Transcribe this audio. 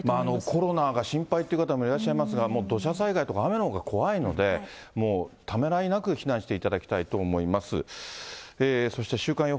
コロナが心配という方もいらっしゃいますが、土砂災害とか雨のほうが怖いので、もう、ためらいなく避難していただきたいと思います。